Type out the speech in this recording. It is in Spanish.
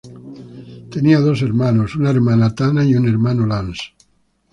Tenía dos hermanos: una hermana Tana y un hermano Lance.